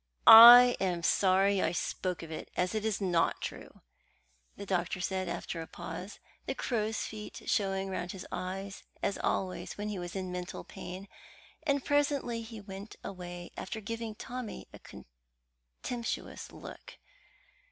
"I am sorry I spoke of it, as it is not true," the doctor said after a pause, the crow's feet showing round his eyes as always when he was in mental pain; and presently he went away, after giving Tommy a contemptuous look.